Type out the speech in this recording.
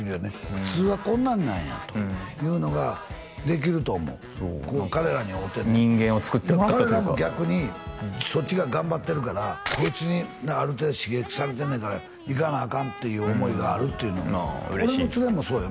普通はこんなんなんやというのができると思うそう何か彼らに会うてね人間をつくってもらったというか彼らも逆にそっちが頑張ってるからこいつに刺激されてんねんからいかなあかんっていう思いがあるっていうのをああ嬉しい俺のツレもそうよ